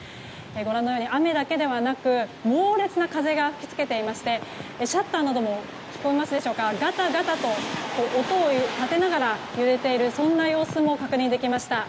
ご覧のように雨だけではなく、猛烈な風が吹きつけていましてシャッターなどもガタガタと音を立てながら揺れている様子も確認できました。